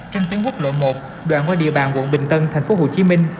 trên tiếng quốc lộ một đoạn qua địa bàn quận bình tân tp hcm